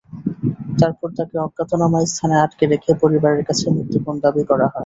তারপর তাঁকে অজ্ঞাতনামা স্থানে আটকে রেখে পরিবারে কাছে মুক্তিপণ দাবি করা হয়।